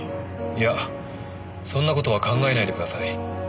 いやそんな事は考えないでください。